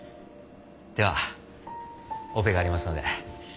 ではオペがありますので。